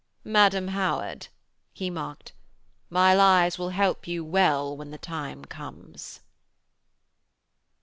'Madam Howard,' he mocked, 'my lies will help you well when the time comes.'